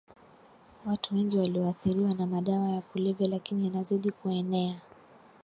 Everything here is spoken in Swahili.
watu wengi walioathiriwa na madawa ya kulevya lakini yanazidi kuenea